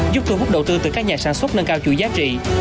giúp thu hút đầu tư từ các nhà sản xuất nâng cao chuỗi giá trị